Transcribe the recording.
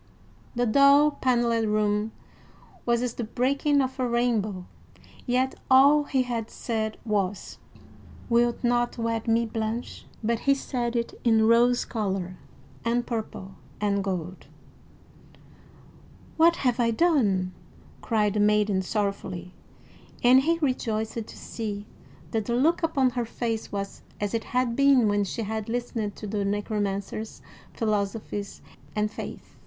The dull paneled room was as the breaking of a rainbow; yet all he had said was, "Wilt not wed me, Blanche?" But he said it in rose color and purple and gold. "What have I done?" cried the maiden sorrowfully; and he rejoiced to see that the look upon her face was as it had been when she had listened to the Necromancer's philosophies and faiths.